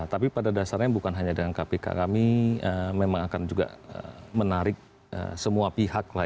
tapi pada dasarnya bukan hanya dengan kpk kami memang akan juga menarik semua pihak lah